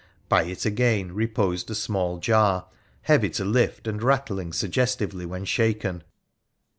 By it, again, reposed a small jar, heavy to lift and rattling suggestively when shaken.